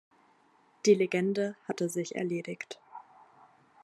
Die Legende hatte sich erledigt.